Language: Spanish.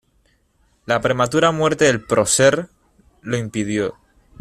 La prematura muerte del prócer lo impidió.